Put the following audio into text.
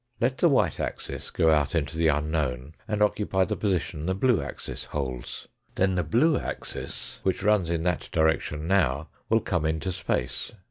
Let the white axis go out into the unknown, and occupy the position the blue axis holds. Then the blue axis, which runs in that direction now will come into space.